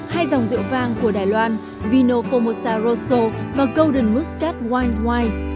hai dòng rượu vang của đài loan vino formosa rosso và golden muscat wine wine